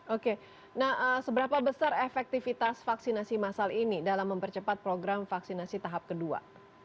oke nah seberapa besar efektivitas vaksinasi masal ini dalam mempercepat program vaksinasi tahap kedua